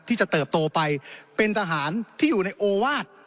ที่จะเติบโตไปเป็นทหารที่อยู่ในโอวาส